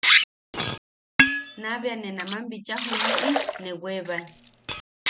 Naʼa bea ne naman bicha juniʼi ne weebae.